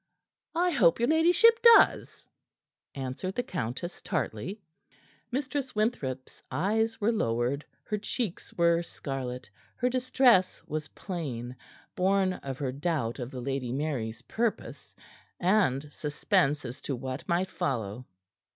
"I hope your ladyship does," answered the countess tartly. Mistress Winthrop's eyes were lowered; her cheeks were scarlet. Her distress was plain, born of her doubt of the Lady Mary's purpose, and suspense as to what might follow.